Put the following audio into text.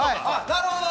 なるほど！